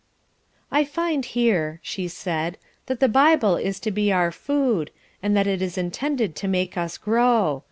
"I find here," she said, "that the Bible is to be our food, and that it is intended to make us grow.